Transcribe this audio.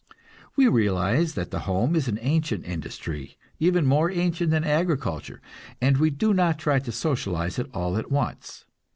We realize that the home is an ancient industry, even more ancient than agriculture, and we do not try to socialize it all at once.